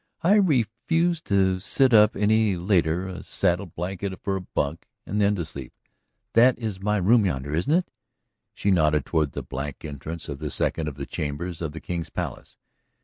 "I refuse to sit up any later; a saddle blanket for bunk, and then to sleep. That is my room yonder, isn't it?" She nodded toward the black entrance to the second of the chambers of the King's Palace.